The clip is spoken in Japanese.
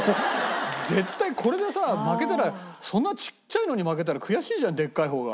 絶対これでさ負けたらそんなちっちゃいのに負けたら悔しいじゃんでっかい方が。